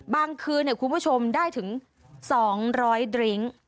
คืนคุณผู้ชมได้ถึง๒๐๐ดริ้ง